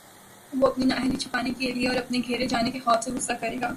وہ اپنی نااہلی چھپانے کے لیے اور اپنے گھیرے جانے کے خوف سے غصہ کرے گا